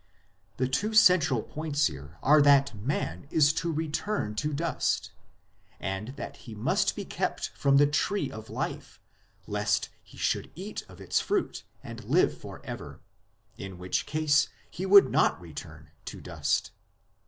The two central points here are that man is to return to dust, and that he must be kept from the Tree of Life lest he should eat of its fruit and live for ever, in which case he would not return to dust.